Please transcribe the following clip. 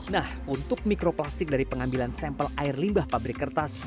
nah untuk mikroplastik dari pengambilan sampel air limbah pabrik kertas